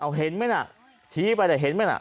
เอาเห็นมั้ยน่ะชี้ไปแล้วเห็นมั้ยน่ะ